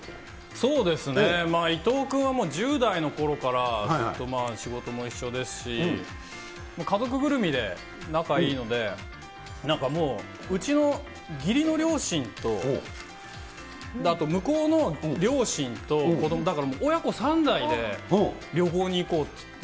そうですね、伊藤君はもう、１０代のころからずっと仕事も一緒ですし、もう家族ぐるみで仲いいので、なんかもう、うちの義理の両親と、あと向こうの両親と子ども、だから親子３代で旅行に行こうっていって。